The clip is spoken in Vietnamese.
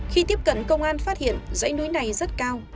khi tiếp cận công an phát hiện dãy núi này rất cao